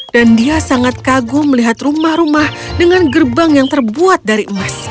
dan dia sangat kagum melihat rumah rumah dengan gerbang yang terbuat dari emas